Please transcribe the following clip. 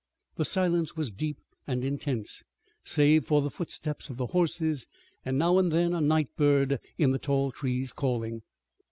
The silence was deep and intense, save for the footsteps of the horses and now and then a night bird in the tall trees calling.